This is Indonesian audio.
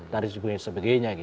dari segi sebagainya